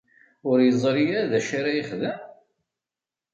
Ur yeẓri ara d acu ara yexdem?